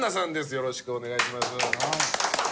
よろしくお願いします。